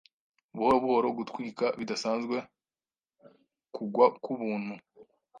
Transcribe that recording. buhoro buhoro gutwika bidasanzwe kugwa kubuntu